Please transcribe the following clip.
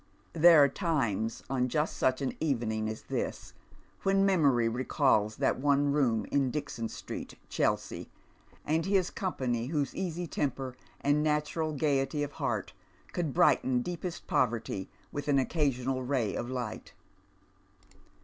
There are times, on just such an evening as thi?!, when memory recalls that one room in Dixon Street, Chelsea, and his company v/hose easy temper and natural gaiety of heait could brighten deepest poverty with an occasional ray of light.